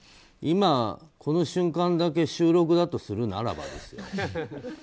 今、この瞬間だけ収録とするならばですよ。